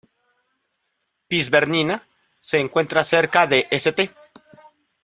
Piz Bernina se encuentra cerca de St.